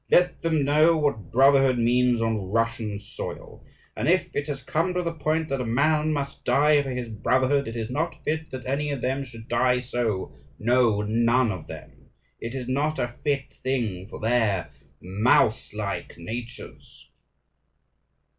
Let them know what brotherhood means on Russian soil! And if it has come to the point that a man must die for his brotherhood, it is not fit that any of them should die so. No! none of them. It is not a fit thing for their mouse like natures."